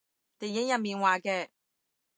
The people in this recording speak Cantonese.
電影入面話嘅